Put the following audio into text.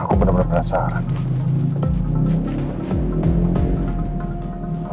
aku bener bener penasaran